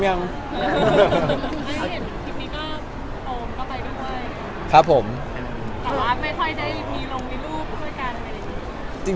แต่ว่าไม่ค่อยได้มีลงมีรูปด้วยกันไหม